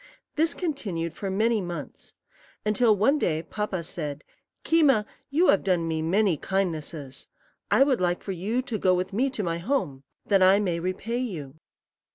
This continued for many months, until one day Papa said, "Keema, you have done me many kindnesses: I would like you to go with me to my home, that I may repay you."